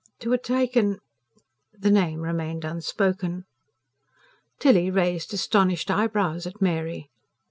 to 'a' taken" the name remained unspoken. Tilly raised astonished eyebrows at Mary.